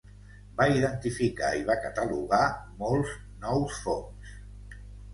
Va identificar i va catalogar molts nous fongs.